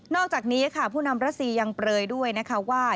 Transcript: นอกจากนี้ผู้นำรัฐเซียงเปรยด้วยว่า